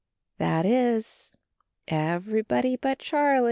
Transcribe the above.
That is everybody but Charlie.